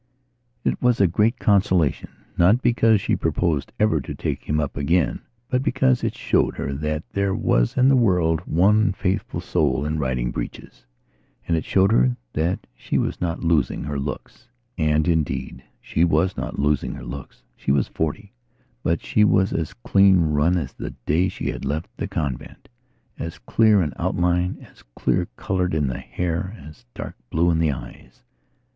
It was a great consolation, not because she proposed ever to take him up again, but because it showed her that there was in the world one faithful soul in riding breeches. And it showed her that she was not losing her looks. And, indeed, she was not losing her looks. She was forty, but she was as clean run as on the day she had left the conventas clear in outline, as clear coloured in the hair, as dark blue in the eyes.